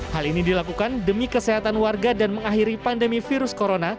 hal ini dilakukan demi kesehatan warga dan mengakhiri pandemi virus corona